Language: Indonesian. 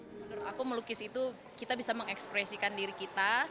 menurut aku melukis itu kita bisa mengekspresikan diri kita